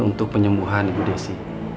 untuk penyembuhan ibu desi